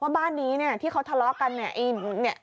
บ้านนี้เนี่ยที่เขาทะเลาะกันเนี่ย